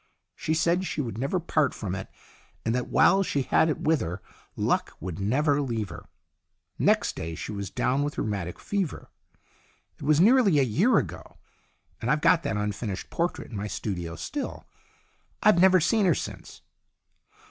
She said she would never part from it and that while she had it her luck would never leave her. Next day she was down with rheumatic fever. It was nearly a year ago, and I've got that unfinished portrait in my studio still. I've never seen her since."